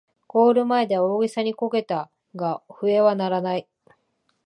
ゴール前で大げさにこけたが笛は鳴らない